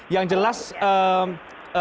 yang jelas apa